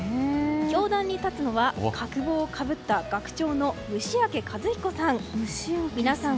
教壇に立つのは学帽をかぶった学長の虫明一彦さん。